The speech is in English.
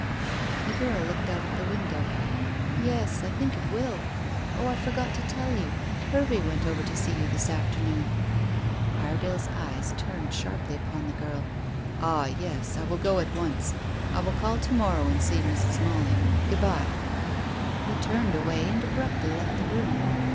The girl looked out of the window. "Yes, I think it will. Oh, I forgot to tell you. Hervey went over to see you this afternoon." Iredale's eyes turned sharply upon the girl. "Ah, yes, I will go at once. I will call to morrow and see Mrs. Malling. Good bye." He turned away and abruptly left the room.